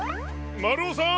まるおさん！